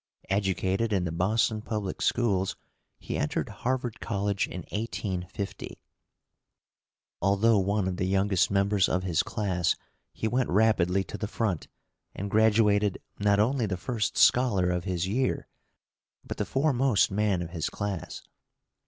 Educated in the Boston public schools, he entered Harvard College in 1850. Although one of the youngest members of his class, he went rapidly to the front, and graduated not only the first scholar of his year, but the foremost man of his class.